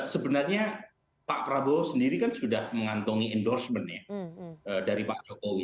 sebenarnya pak prabowo sendiri kan sudah mengantongi endorsement ya dari pak jokowi